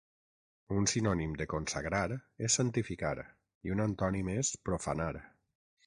Un sinònim de consagrar és santificar i un antònim és profanar.